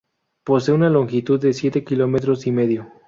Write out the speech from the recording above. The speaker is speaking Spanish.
Posee una longitud de siete kilómetros y medio.